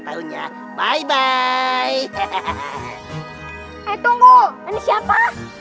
tunggu ini siapa